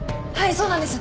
そうなんです。